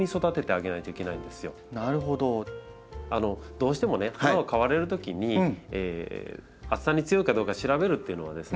どうしてもね花を買われるときに暑さに強いかどうか調べるっていうのはですね